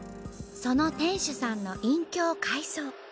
その店主さんの隠居を改装。